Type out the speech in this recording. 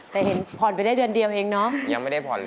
แต่เล็กผ่อนไปได้เดือนเดียวเองเนอะ